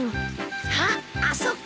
あっあそこ。